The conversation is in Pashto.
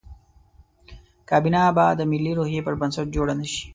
کابینه به د ملي روحیې پر بنسټ جوړه نه شي.